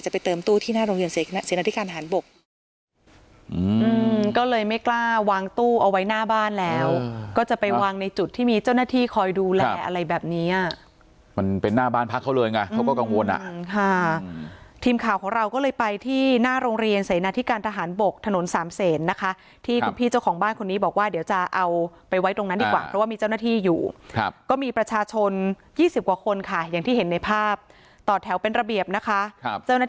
ไปเติมตู้ที่หน้าโรงเรียนเสนาทิการทหารบกก็เลยไม่กล้าวางตู้เอาไว้หน้าบ้านแล้วก็จะไปวางในจุดที่มีเจ้าหน้าที่คอยดูแลอะไรแบบนี้อ่ะมันเป็นหน้าบ้านพักเขาเลยไงเขาก็กังวลอ่ะค่ะทีมข่าวของเราก็เลยไปที่หน้าโรงเรียนเสนาทิการทหารบกถนนสามเสนนะคะที่คุณพี่เจ้าของบ้านคนนี้บอกว่าเดี๋ยวจะเอาไปไว้ตรงนั้นดีกว